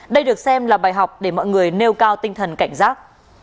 đây được xem là bài học để mọi người nêu cao tinh thần cảnh giác